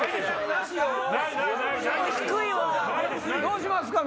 どうしますか？